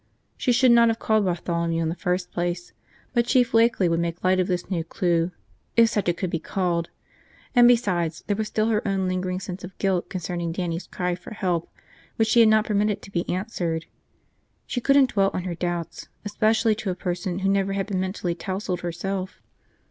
She should not have called Bartholomew in the first place; but Chief Wakeley would make light of this new clue, if such it could be called, and besides there was still her own lingering sense of guilt concerning Dannie's cry for help which she had not permitted to be answered. She couldn't dwell on her doubts, especially to a person who never had been mentally tousled herself.